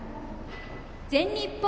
全日本